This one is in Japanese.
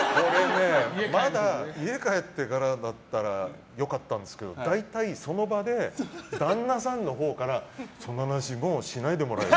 まだ家に帰ってからだったら良かったんですけど大体、その場で旦那さんのほうからその話もうしないでもらえる？